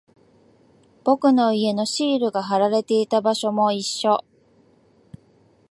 僕の家のシールが貼られていた場所も一緒。